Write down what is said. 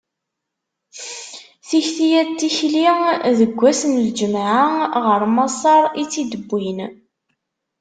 Tikti-ya n tikli deg ass n lǧemɛa, ɣer Maṣer i tt-id-wwin.